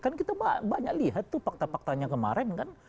kan kita banyak lihat tuh fakta faktanya kemarin kan